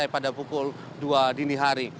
pukul dua dini hari